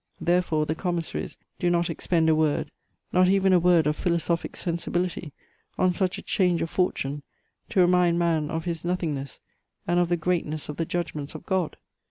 Therefore the commissaries do not expend a word, not even a word of philosophic sensibility, on such a change of fortune, to remind man of his nothingness and of the greatness of the judgments of God!